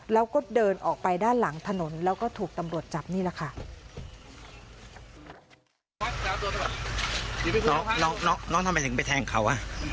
แล้วก็เดินออกไปด้านหลังถนนแล้วก็ถูกตำรวจจับนี่แหละค่ะ